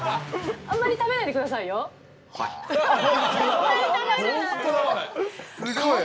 あんまり食べないでくださいよ。はいっ。